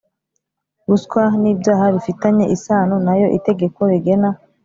Ruswa n ibyaha bifitanye isano na yo itegeko rigena